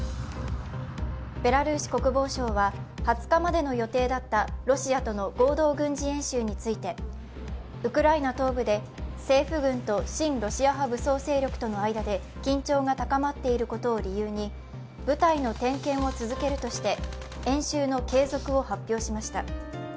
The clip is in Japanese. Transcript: ベラルーシ国防省は２０日までの予定だったロシアとの合同軍事演習について、ウクライナ東部で政府軍と親ロシア派武装勢力との間で緊張が高まっていることを理由に部隊の点検を続けるとして演習の継続を発表しました。